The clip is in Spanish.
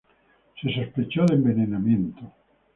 Se sospechó de envenenamiento.